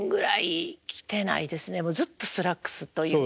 もうずっとスラックスというか。